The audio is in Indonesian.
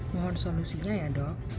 mohon solusinya ya dok